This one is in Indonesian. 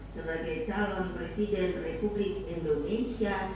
sebagai calon presiden republik indonesia